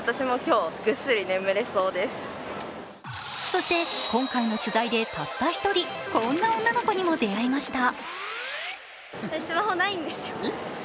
そして、今回の取材でたった１人、こんな女の子にも出会いました。